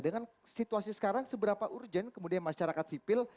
dengan situasi sekarang seberapa urgent kemudian masyarakat sipil